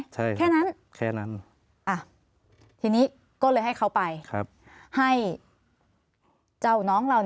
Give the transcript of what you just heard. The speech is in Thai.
ใช่มั้ยใช่ใช่ค่ะแค่นั้น